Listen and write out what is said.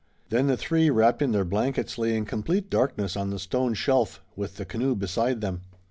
Then the three, wrapped in their blankets, lay in complete darkness on the stone shelf, with the canoe beside them.